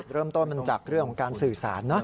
เริ่มต้นมันจากเรื่องของการสื่อสารนะ